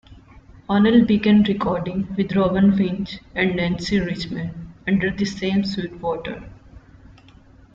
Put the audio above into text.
O'Neill began recording with Robin Winch and Nancy Richman under the name Suitewater.